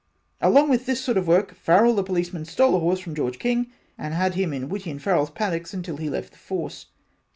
And along with this sort of work, Farrell the Policeman stole a horse from George King and had him in Whitty and Farrells Paddocks until he left the force.